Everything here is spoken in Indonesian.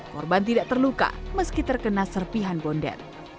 korban tidak terluka meski terkena serpihan bondet